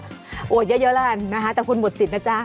โหเยอะล่ะแต่คุณหมดศิลป์นะจ๊ะ